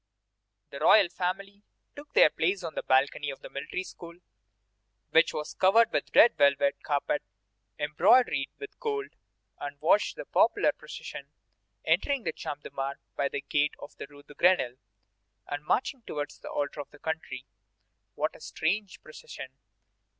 The royal family took their places on the balcony of the Military School, which was covered with a red velvet carpet embroidered with gold, and watched the popular procession, entering the Champ de Mars by the gate of the rue de Grenelle, and marching towards the Altar of the Country. What a strange procession!